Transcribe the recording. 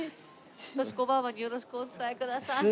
紀子ばあばによろしくお伝えください。